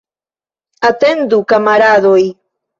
Atendu, kamaradoj!